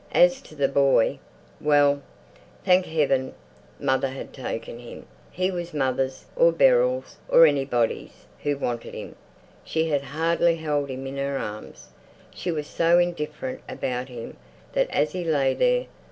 As to the boy—well, thank Heaven, mother had taken him; he was mother's, or Beryl's, or anybody's who wanted him. She had hardly held him in her arms. She was so indifferent about him that as he lay there...